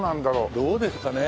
どうですかね？